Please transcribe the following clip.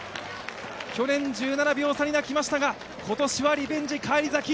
去年１７秒差に泣きましたが今年はリベンジ返り咲き。